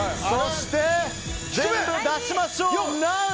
そして、全部出しましょう。